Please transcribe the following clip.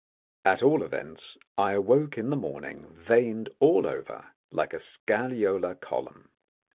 At all events I awoke in the morning veined all over like a scagliola column.